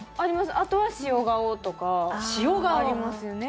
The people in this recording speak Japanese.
あとは塩顔とかありますよね。